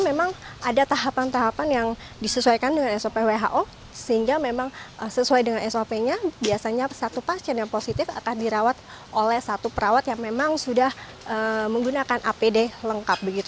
memang ada tahapan tahapan yang disesuaikan dengan sop who sehingga memang sesuai dengan sop nya biasanya satu pasien yang positif akan dirawat oleh satu perawat yang memang sudah menggunakan apd lengkap